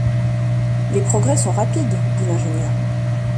Les progrès sont rapides! dit l’ingénieur.